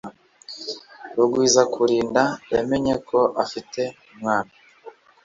Rugwizakurinda yamenye ko afite umwana